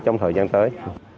trong thời gian tới